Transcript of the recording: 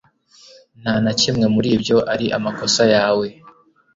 Nta na kimwe muri ibyo ari amakosa yawe